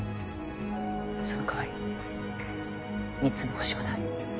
その代わり３つの星はない。